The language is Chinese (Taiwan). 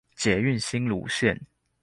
捷運新蘆線